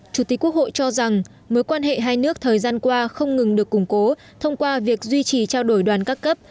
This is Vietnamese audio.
chủ tịch quốc hội cho rằng mối quan hệ hai nước thời gian qua không ngừng được củng cố thông qua việc duy trì trao đổi đoàn các cấp